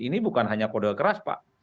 ini bukan hanya kode keras pak